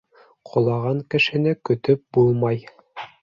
Ҡолаған кешене көтөп булмай.